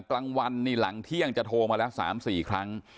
กลางวันนิหลังเธี่ยงจะโทรมาแล้วสามสี่ครั้ง